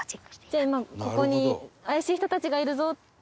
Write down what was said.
じゃあ今ここに怪しい人たちがいるぞって。